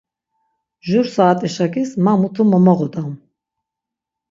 Jur saati şakis ma mutu mo moğodam!